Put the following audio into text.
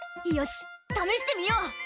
よしためしてみよう！